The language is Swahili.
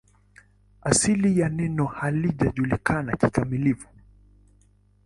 Asili ya neno haijulikani kikamilifu.